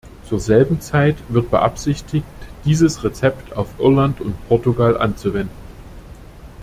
Zur selben Zeit wird beabsichtigt, dieses Rezept auf Irland und Portugal anzuwenden.